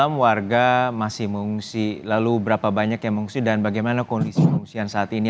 enam warga masih mengungsi lalu berapa banyak yang mengungsi dan bagaimana kondisi pengungsian saat ini